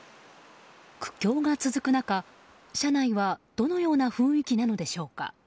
苦境が続く中、社内はどのような雰囲気なのでしょうか。